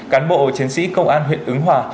cán bộ chiến sĩ công an huyện ứng hòa